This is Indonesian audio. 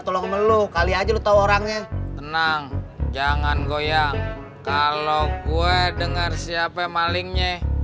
tolong lo kali aja lo tahu orangnya tenang jangan goyang kalau gue denger siapa malingnya